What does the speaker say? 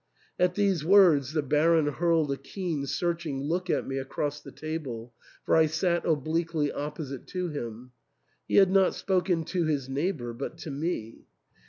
At these words the Baron hurled a keen searching look at me across the table, for I sat obliquely opposite to him. He had not spoken to his neighbour, but to me.